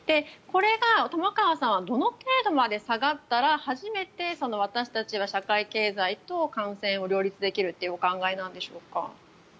これが玉川さんはどの程度まで下がったら初めて私たちが社会経済と感染を両立できるってお考えなんでしょうか？